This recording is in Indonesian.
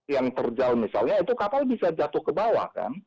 yang terjal misalnya itu kapal bisa jatuh ke bawah kan